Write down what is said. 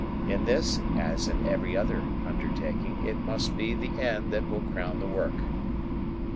In this, as in every other undertaking, it must be the "end" that will "crown the work."